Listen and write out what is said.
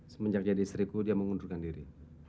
semenjak jadi istriku dia mengundurkan diri